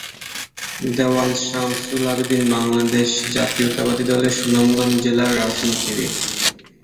দেওয়ান শামসুল আবেদীন বাংলাদেশ জাতীয়তাবাদী দলের সুনামগঞ্জ জেলার রাজনীতিবিদ।